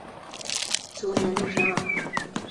卒年六十二。